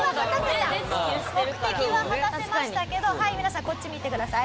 目的は果たせましたけどはい皆さんこっち見てください。